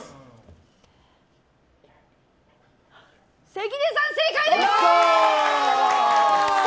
関根さん、正解です！